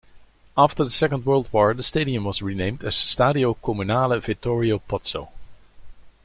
After the Second World War, the stadium was renamed as Stadio Comunale Vittorio Pozzo.